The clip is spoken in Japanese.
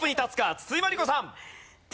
筒井真理子さん！